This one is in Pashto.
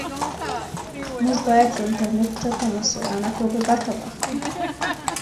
موږ باید له انټرنیټه په مسؤلانه توګه ګټه واخلو.